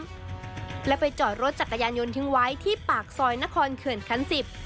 แล้วไปจอดรถจักรยานยนต์ทิ้งไว้ที่ปากซอยนครเขื่อนคันสิบ